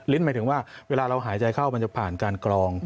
หมายถึงว่าเวลาเราหายใจเข้ามันจะผ่านการกรอง